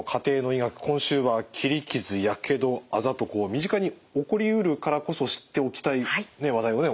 今週は切り傷やけどあざとこう身近に起こりうるからこそ知っておきたい話題をね